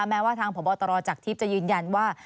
แม้ว่าทางพบตรจากทิพย์จะยืนยันว่า